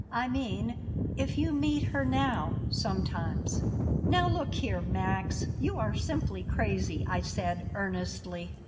"I mean if you meet her now, sometimes?" "Now, look here, Max. You are simply crazy," I said, earnestly.